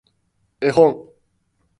絵本